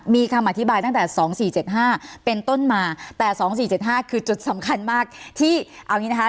มีคำอธิบายตั้งแต่๒๔๗๕เป็นต้นมาแต่๒๔๗๕คือจุดสำคัญมากที่เอาอย่างนี้นะคะ